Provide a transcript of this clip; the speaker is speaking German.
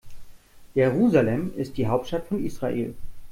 Jerusalem ist die Hauptstadt von Israel.